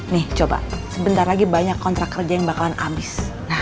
nih coba sebentar lagi banyak kontrak kerja yang bakalan habis